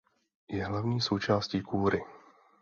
Je hlavní součástí kůry.